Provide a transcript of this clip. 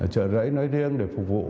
trợ rẫy nói riêng để phục vụ